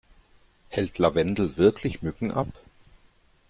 Hält Lavendel wirklich Mücken ab?